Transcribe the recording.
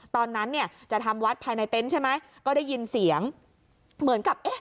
ตอนนั้นเนี่ยจะทำวัดภายในเต็นต์ใช่ไหมก็ได้ยินเสียงเหมือนกับเอ๊ะ